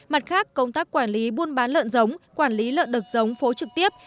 mặt khác công tác quản lý buôn bán lợn giống quản lý lợn đực giống phố trực tiếp